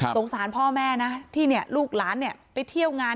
สารพ่อแม่นะที่ลูกหลานไปเที่ยวงาน